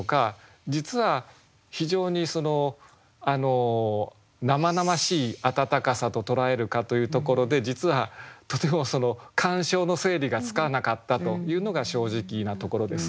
実は非常に生々しいあたたかさととらえるかというところで実はとても鑑賞の整理がつかなかったというのが正直なところです。